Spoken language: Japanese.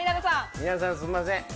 皆さん、すいません。